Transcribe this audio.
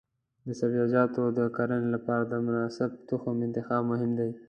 د سبزیجاتو د کرنې لپاره د مناسب تخم انتخاب مهم دی.